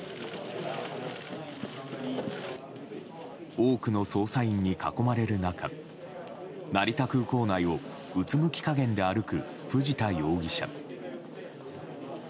多くの捜査員に囲まれる中成田空港内をうつむき加減で歩く藤田容疑者。